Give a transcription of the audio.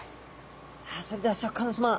さあそれではシャーク香音さま